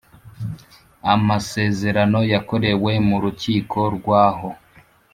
Amasezerano yakorewe mu rukiko rw aho